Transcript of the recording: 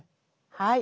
はい。